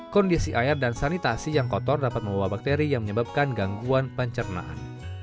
kondisi air dan sanitasi yang kotor dapat membawa bakteri yang menyebabkan gangguan pencernaan